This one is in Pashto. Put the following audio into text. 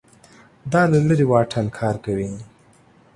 دا له لرې واټن کار کوي